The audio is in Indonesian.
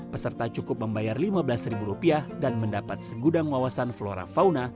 peserta cukup membayar lima belas ribu rupiah dan mendapat segudang wawasan flora fauna